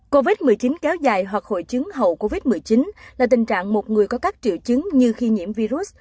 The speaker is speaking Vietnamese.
covid một mươi chín kéo dài hoặc hội chứng hậu covid một mươi chín là tình trạng một người có các triệu chứng như khi nhiễm virus